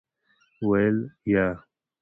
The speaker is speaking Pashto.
ویل : یا .